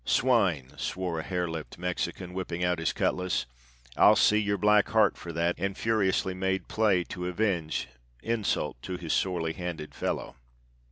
"Swine!" swore a harelipped Mexican, whipping out his cutlas. "I'll see your black heart for that!" and furiously made play to avenge insult to his sorely handled fellow.